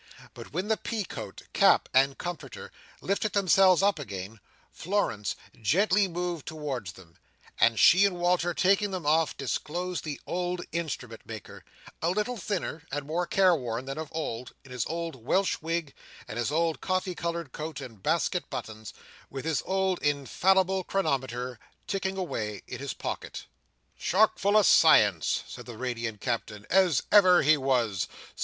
But when the pea coat, cap, and comforter lifted themselves up again, Florence gently moved towards them; and she and Walter taking them off, disclosed the old Instrument maker, a little thinner and more careworn than of old, in his old Welsh wig and his old coffee coloured coat and basket buttons, with his old infallible chronometer ticking away in his pocket. "Chock full o' science," said the radiant Captain, "as ever he was!